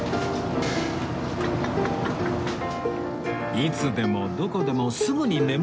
いつでもどこでもすぐに眠れる徳さん